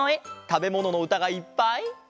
たべもののうたがいっぱい。